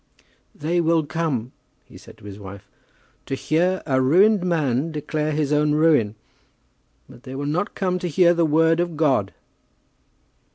"They will come," he said to his wife, "to hear a ruined man declare his own ruin, but they will not come to hear the word of God."